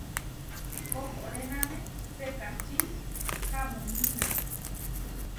Koʼkorénane sekačí hamomína.